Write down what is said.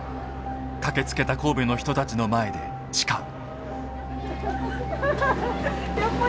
駆けつけた神戸の人たちの前で誓う。